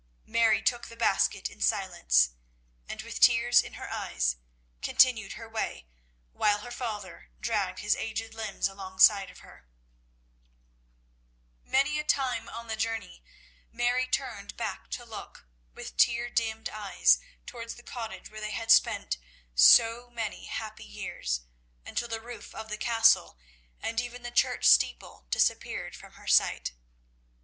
Mary took the basket in silence, and, with tears in her eyes, continued her way, while her father dragged his aged limbs alongside of her. [Illustration: "She threw the basket at Mary's feet." See page 52.] Many a time on the journey Mary turned back to look, with tear dimmed eyes, towards the cottage where they had spent so many happy years, until the roof of the Castle and even the church steeple disappeared from her sight.